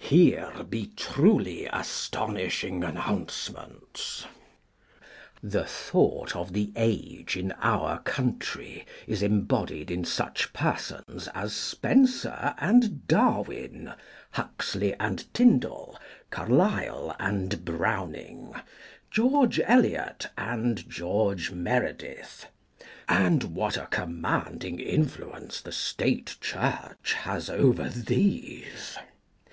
Here be truly astonishing announcements. The thought of the age in our country is embodied in such persons as Spencer and Darwin, Huxley and Tyndall, Carlyle and Browning, George Eliot and George Meredith; and what a commanding influence the State Church has over these!